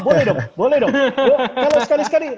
oh boleh dong boleh dong